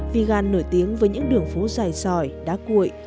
vigan nổi tiếng với những đường phố dài dòi đá cuội